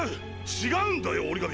違うんだよ折紙！